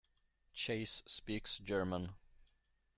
Chase speaks German.